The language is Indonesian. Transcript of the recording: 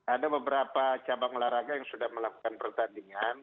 ada beberapa cabang olahraga yang sudah melakukan pertandingan